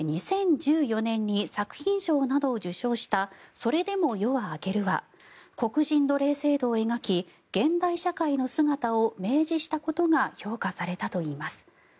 ２０１４年に作品賞などを受賞した「それでも夜は明ける」は黒人奴隷制度を描き現代社会の姿を明示したことが評価されたといいます。